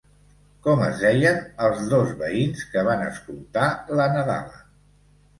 Com es deien els dos veïns que van escoltar la nadala?